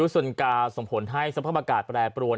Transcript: ซุนกาสมผลให้สภาพอากาศแปลปรวน